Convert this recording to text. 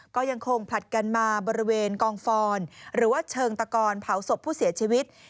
ก็ยังคงผลัดกันมาบริเวณกองฟอนหรือว่าเชิงตะกอนเผาศพผู้เสียชีวิต